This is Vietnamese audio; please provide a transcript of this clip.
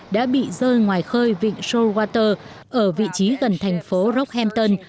đã bị rơi ngoài khơi vịnh shorewater ở vị trí gần thành phố rockhampton